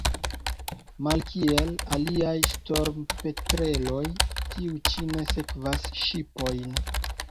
Malkiel aliaj ŝtormopetreloj, tiu ĉi ne sekvas ŝipojn.